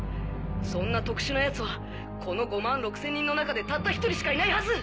そんな特殊な奴はこの５万６千人の中でたった１人しかいないはず！